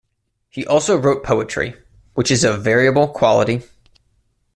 He also wrote poetry, which is of variable quality.